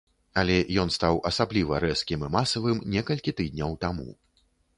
Але ён стаў асабліва рэзкім і масавым некалькі тыдняў таму.